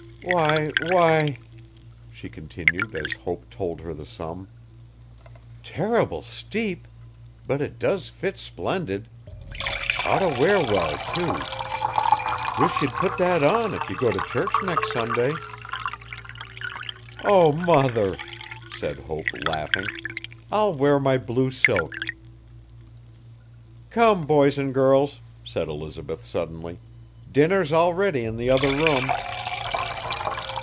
'Wy! w'y!' she continued as Hope told her the sum. 'Terrible steep! but it does fit splendid! Oughter wear well too! Wish ye'd put that on if ye go t' church nex' Sunday. 'O mother!' said Hope, laughing, 'I'll wear my blue silk. 'Come boys 'n girls,' said Elizabeth suddenly, 'dinner's all ready in the other room.